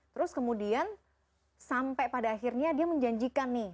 terus kemudian sampai pada akhirnya dia menjanjikan nih